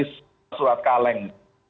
maka ini kan seperti surat kaleng